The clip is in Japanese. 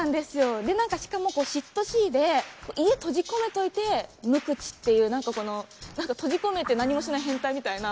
でなんかしかも嫉妬しいで家閉じ込めておいて無口っていうなんかこの閉じ込めて何もしない変態みたいな。